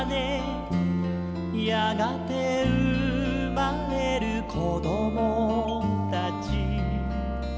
「やがてうまれるこどもたち」